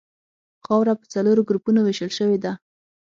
خاوره په څلورو ګروپونو ویشل شوې ده